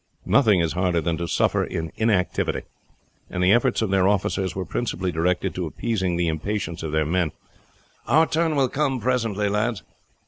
Nothing is harder than to suffer in inactivity, and the efforts of the officers were principally directed to appeasing the impatience of their men, "Our turn will come presently, lads."